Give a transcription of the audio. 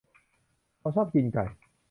เขาชอบกินไก่